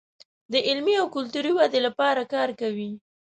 د علمي او کلتوري ودې لپاره کار کوي.